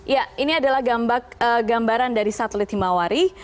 ya ini adalah gambaran dari satelit himawari